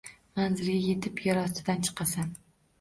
Manzilga yetib, yerostidan chiqasan.